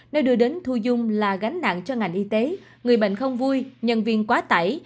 nơi đưa đến thu dung là gánh nặng cho ngành y tế người bệnh không vui nhân viên quá tải